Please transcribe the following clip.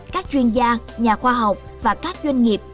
các chuyên gia nhà khoa học và các doanh nghiệp